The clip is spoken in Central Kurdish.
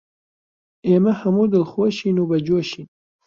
ئێمە هەموو دڵخۆشین و بەجۆشین